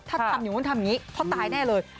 ถ้าทำอย่างนู้นทำอย่างนี้เขาตายแน่เลย